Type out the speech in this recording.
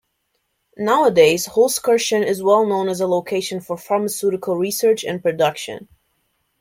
Nowadays Holzkirchen is well known as a location for pharmaceutical research and production.